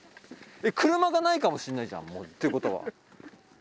車がないかもしんないじゃんってことは。